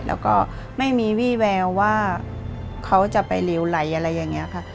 แล้วก็ไม่มีวี่แววว่าเขาจะไปเร็วไหลอะไรอย่างนี้ค่ะ